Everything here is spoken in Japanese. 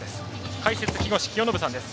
解説、木越清信さんです。